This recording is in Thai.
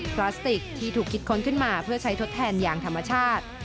พลาสติกที่ถูกคิดค้นขึ้นมาเพื่อใช้ทดแทนอย่างธรรมชาติ